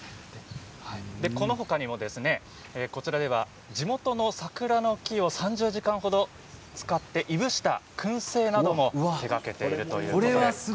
このほかにもこちらでは地元の桜の木を３０時間ほど使っていぶしたくん製なども手がけているということです。